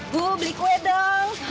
bu beli kue dong